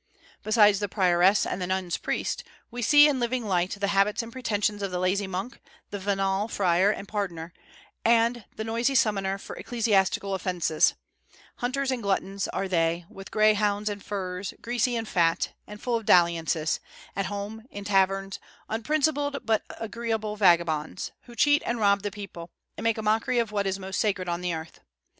Besides the prioress and the nuns' priest, we see in living light the habits and pretensions of the lazy monk, the venal friar and pardoner, and the noisy summoner for ecclesiastical offences: hunters and gluttons are they, with greyhounds and furs, greasy and fat, and full of dalliances; at home in taverns, unprincipled but agreeable vagabonds, who cheat and rob the people, and make a mockery of what is most sacred on the earth.